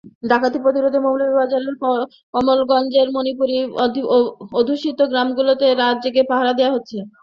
ডাকাতি প্রতিরোধে মৌলভীবাজারের কমলগঞ্জের মণিপুরী অধ্যুষিত গ্রামগুলোতে রাত জেগে পাহারা দেওয়া হচ্ছে।